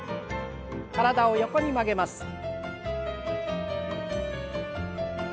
体を横に曲げます。